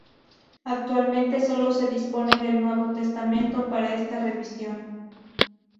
Actualmente sólo se dispone del Nuevo Testamento para esta revisión.